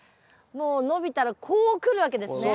もう伸びたらこう来るわけですね。